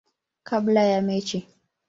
kabla ya mechi.